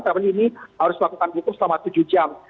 tapi ini harus melakukan hukum selama tujuh jam